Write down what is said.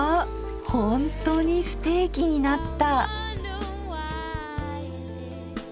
ほんとにステーキになった。